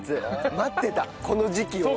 待ってたこの時期を俺は。